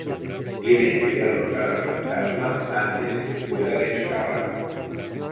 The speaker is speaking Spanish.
Tienen que derrotar al fantasma antes de que puedan escapar.